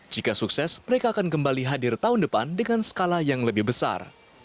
jika sukses mereka akan kembali hadir tahun depan dengan skala yang lebih besar